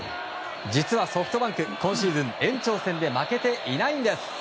実はソフトバンク、今シーズン延長戦で負けていないんです。